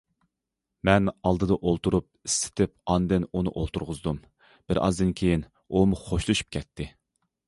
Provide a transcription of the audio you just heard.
مەن ئالدىدا ئولتۇرۇپ ئىسسىتىپ ئاندىن ئۇنى ئولتۇرغۇزدۇم، بىر ئازدىن كېيىن ئۇمۇ شوخلىشىپ كەتتى.